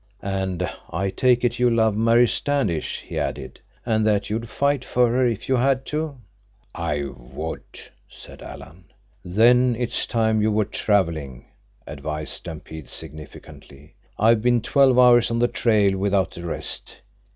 "And I take it you love Mary Standish," he added, "and that you'd fight for her if you had to." "I would," said Alan. "Then it's time you were traveling," advised Stampede significantly. "I've been twelve hours on the trail without a rest.